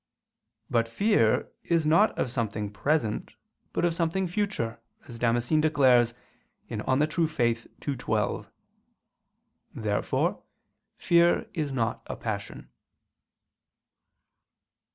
But fear is not of something present, but of something future, as Damascene declares (De Fide Orth. ii, 12). Therefore fear is not a passion.